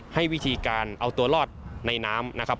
ให้วิธีการเอาตัวรอดในน้ำนะครับ